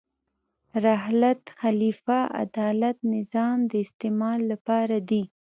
رحلت، خلیفه، عدالت، نظام د استعمال لپاره دي.